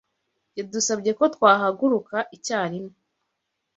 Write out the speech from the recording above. Yadusabye ko twahaguruka icyarimwe.